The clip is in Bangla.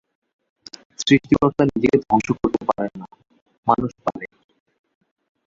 সৃস্টিকর্তা নিজেকে ধ্বংস করতে পারেন না-মানুষ পারে।